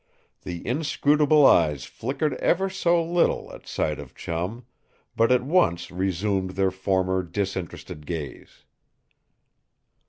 The inscrutable eyes flickered ever so little at sight of Chum, but at once resumed their former disinterested gaze.